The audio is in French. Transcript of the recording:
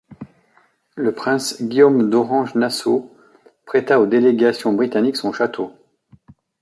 Le prince Guillaume d'Orange-Nassau prêta aux délégations britanniques son château.